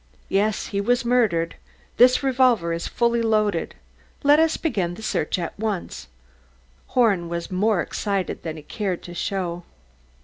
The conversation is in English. "Yes, he was murdered. This revolver is fully loaded. Let us begin the search at once." Horn was more excited than he cared to show.